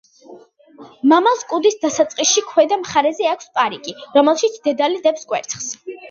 მამალს კუდის დასაწყისში ქვედა მხარეზე აქვს პარკი, რომელშიც დედალი დებს კვერცხს.